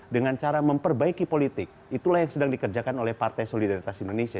dengan cara memperbaiki politik itulah yang sedang dikerjakan oleh partai solidaritas indonesia